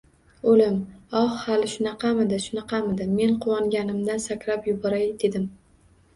Oʻlim! Oh, hali shunaqamidi, shunaqamidi? Men quvonganimdan sakrab yuboray dedim.